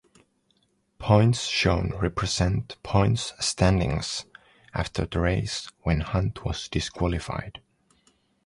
Points shown represent points standings after the race when Hunt was disqualified.